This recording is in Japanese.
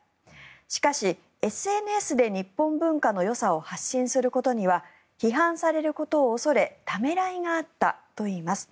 しかし、ＳＮＳで日本文化のよさを発信することには批判されることを恐れためらいがあったといいます。